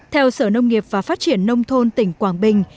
theo sở nông nghiệp và phát triển nông thôn tỉnh quảng bình